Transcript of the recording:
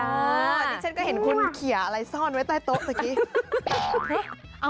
ทีนี้ฉันก็เห็นคุณข่านร่ะซ่อนท้ายโต๊ะ